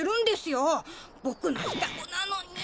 ボクのふたごなのに。